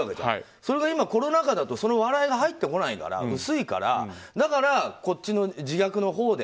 それが今、コロナ禍だとその笑いが入ってこないから薄いからだから、こっちの自虐のほうで